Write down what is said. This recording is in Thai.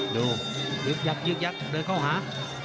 ดูยึกยักเดินเข้าหา